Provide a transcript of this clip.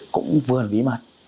cũng vườn bí mật